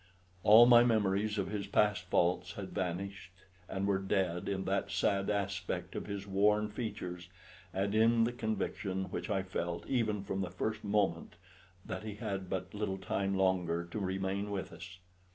All my memories of his past faults had vanished and were dead in that sad aspect of his worn features, and in the conviction which I felt, even from the first moment, that he had but little time longer to remain with us.